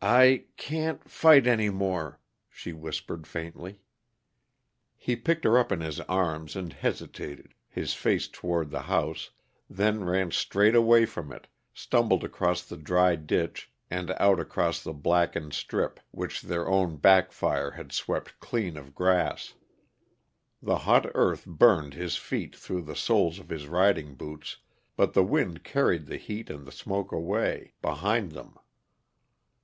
"I can't fight any more," she whispered faintly. He picked her up in his arms and hesitated, his face toward the house; then ran straight away from it, stumbled across the dry ditch and out across the blackened strip which their own back fire had swept clean of grass. The hot earth burned his feet through the soles of his riding boots, but the wind carried the heat and the smoke away, behind them.